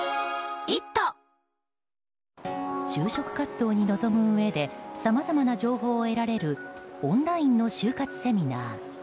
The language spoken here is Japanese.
就職活動に臨むうえでさまざまな情報を得られるオンラインの就活セミナー。